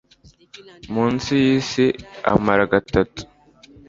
Munsi y isi amara gatatu